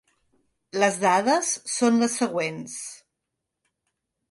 Les dades són les següents:.